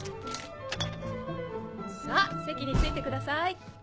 さぁ席に着いてください。